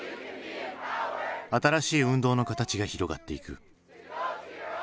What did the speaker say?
新しい運動の形が広がっていく。